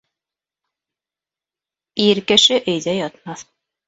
Ир кеше өйҙә ятмаҫ.